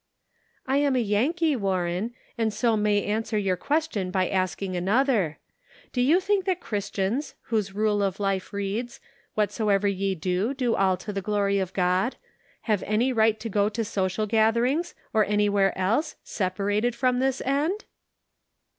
" I am a Yankee, Warren, and so may answer your question by asking another : Do you think that Christians, whose rule of life reads, ' What soever ye do, do all to the glory of God,' have any right to go to social gatherings, or any where else, separated from this end?"